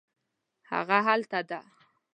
هغه هلته ده